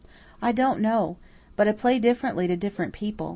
"I don't know. But I play differently to different people.